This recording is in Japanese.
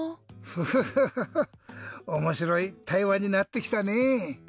フフフフッおもしろいたいわになってきたねぇ。